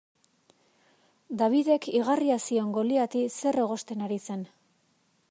Davidek igarria zion Goliati zer egosten ari zen.